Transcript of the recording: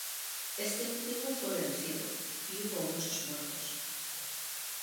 Este último fue vencido y hubo muchos muertos.